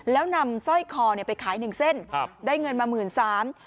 แล้วนำสร้อยคอไปขาย๑เส้นได้เงินมา๑๓๐๐๐บาท